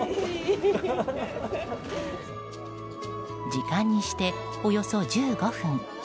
時間にしておよそ１５分。